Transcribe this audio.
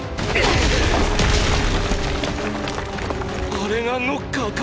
あれがノッカーか！